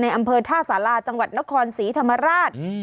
อำเภอท่าสาราจังหวัดนครศรีธรรมราช